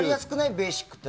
ベーシックって。